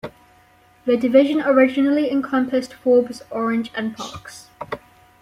The division originally encompassed Forbes, Orange and Parkes.